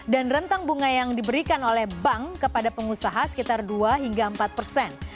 dan rentang bunga yang diberikan oleh bank kepada pengusaha sekitar dua hingga empat persen